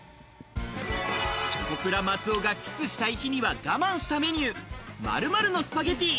チョコプラ・松尾がキスしたい日には我慢したメニューのスパゲティ。